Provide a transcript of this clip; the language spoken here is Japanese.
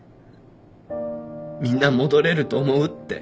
みんな戻れると思うって。